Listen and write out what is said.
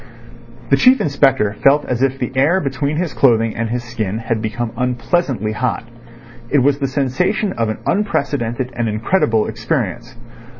The Chief Inspector felt as if the air between his clothing and his skin had become unpleasantly hot. It was the sensation of an unprecedented and incredible experience.